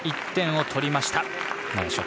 １点を取りました。